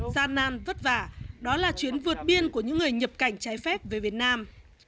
gian nan vất vả đó là chuyến vượt biên của những người nhập cảnh trái phép về việt nam